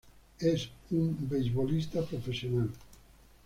Es un beisbolista profesional.